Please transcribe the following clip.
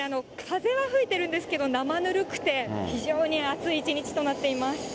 風は吹いてるんですけれども、生ぬるくて、非常に暑い一日となっています。